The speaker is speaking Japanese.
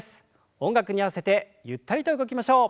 音楽に合わせてゆったりと動きましょう。